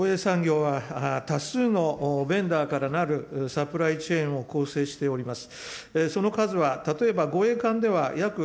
防衛産業は多数のメンバーからなるサプライチェーンを構成しております。